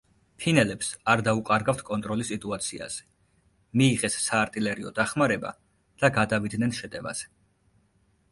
ფინელებს არ დაუკარგავთ კონტროლი სიტუაციაზე, მიიღეს საარტილერიო დახმარება და გადავიდნენ შეტევაზე.